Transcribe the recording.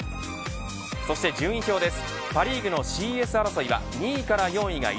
そして順位表です。